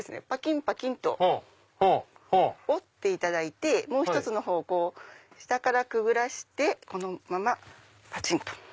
パキンパキンと折っていただいてもう１つのほうを下からくぐらせてこのままパチン！と。